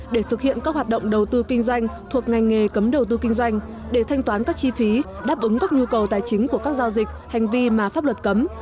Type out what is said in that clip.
để thực hiện các hoạt động đầu tư kinh doanh thuộc ngành nghề cấm đầu tư kinh doanh để thanh toán các chi phí đáp ứng các nhu cầu tài chính của các giao dịch hành vi mà pháp luật cấm